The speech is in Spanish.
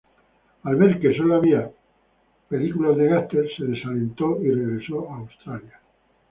Al ver que sólo hacía películas de gángsters, se desalentó y regresó a Australia.